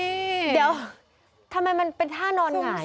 เดี๋ยวทำไมมันเป็นท่านอนหงาย